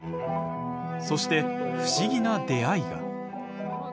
そして、不思議な出会いが。